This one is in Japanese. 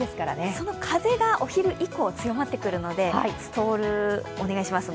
その風がお昼以降、強まってくるのでストール、お願いします。